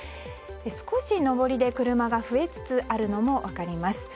少し上りで下りが増えつつあるのも分かります。